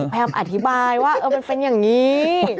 แพมอธิบายว่าเออมันเป็นอย่างนี้